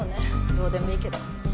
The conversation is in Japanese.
どうでもいいけど。